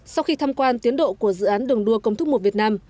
sau khi tham quan tiến độ của dự án đường đua công thức một việt nam